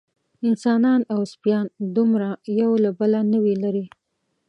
انسانان او سپیان دومره یو له بله نه وي لېرې.